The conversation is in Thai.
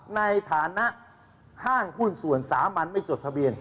ในฐานะห้างหุ้นส่วนสามัญไม่จดทะเบียน